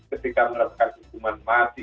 ketika menerapkan hukuman mati